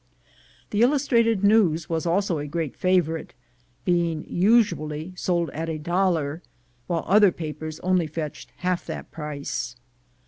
The Illus trated News was also a great favorite, being usually sold at a dollar, while other papers only fetched half that price.